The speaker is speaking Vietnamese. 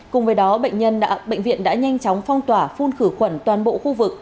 cùng với đó bệnh viện đã nhanh chóng phong tỏa phun khử khuẩn toàn bộ khu vực